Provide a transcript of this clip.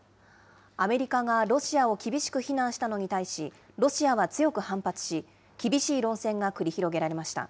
アメリカがロシアを厳しく非難したのに対し、ロシアは強く反発し、厳しい論戦が繰り広げられました。